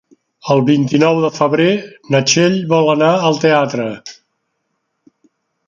El vint-i-nou de febrer na Txell vol anar al teatre.